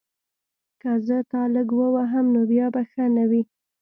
که زه تا لږ ووهم نو بیا به ښه نه وي